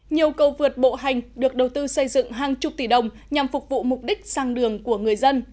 nhiều cầu vượt bộ hành được đầu tư xây dựng hàng chục tỷ đồng nhằm phục vụ mục đích sang đường của người dân